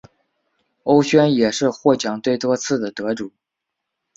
欧萱也是获奖最多次的得主。